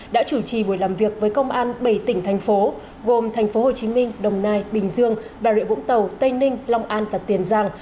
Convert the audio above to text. đã chủ trì buổi làm việc với công an bảy tỉnh thành phố gồm tp hcm đồng nai bình dương bà rịa vũng tàu tây ninh long an và tiền giang